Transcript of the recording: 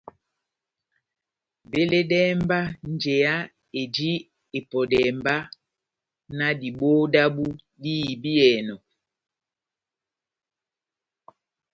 Veledɛhɛ mba njeya eji epɔdɛhɛ mba na diboho dábu dihibiyɛnɔ.